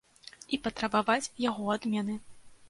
І патрабаваць яго адмены.